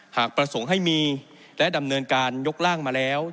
หากประสงค์ให้มีและดำเนินการยกร่างมาแล้ว